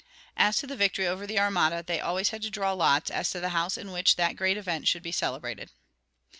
As to the victory over the armada, they always had to draw lots as to the house in which that great event should be celebrated.